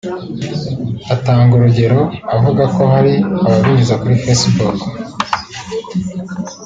Atanga urugero avuga ko hari ababinyuza kuri Facebook